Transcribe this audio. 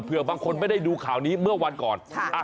เพื่อบางคนไม่ได้ดูข่าวนี้เมื่อวันก่อน